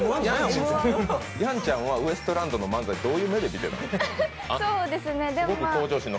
やんちゃんはウエストランドの漫才、どういう目で見ているの？